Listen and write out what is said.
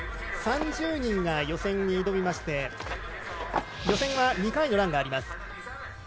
３０人が予選に挑みまして予選は２回のランがあります。